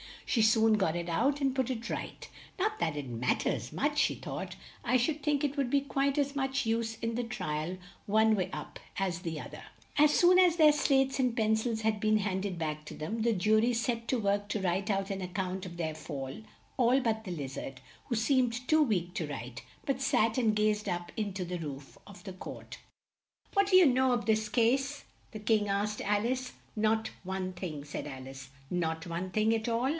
She soon got it out and put it right; "not that it mat ters much," she thought; "I should think it would be quite as much use in the tri al one way up as the oth er." As soon as their slates and pen cils had been hand ed back to them, the ju ry set to work to write out an ac count of their fall, all but the Liz ard, who seem ed too weak to write, but sat and gazed up in to the roof of the court. "What do you know of this case?" the King asked Al ice. "Not one thing," said Al ice. "Not one thing, at all?"